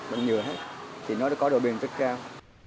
bằng nhựa hết thì nó đã có đội bền rất cao